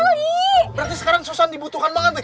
berarti sekarang susan dibutuhkan banget nih